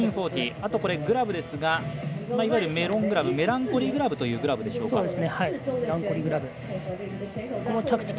あとはグラブですがいわゆるメランコリーグラブメランコリーグラブというグラブでしょうか。